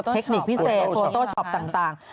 เทคนิคพิเศษโฟโต้ช็อปต่าง